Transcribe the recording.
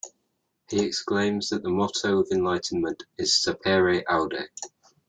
He exclaims that the motto of enlightenment is "Sapere aude"!